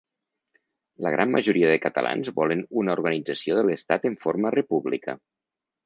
La gran majoria de catalans volen una organització de l’estat en forma república.